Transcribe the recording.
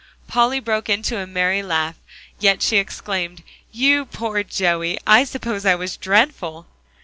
Polly broke into a merry laugh; yet she exclaimed, "You poor Joey, I suppose I was dreadful!"